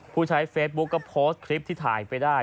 ผู้ใช้เฟซบุ๊กก็โพสต์คลิปที่ถ่ายไปได้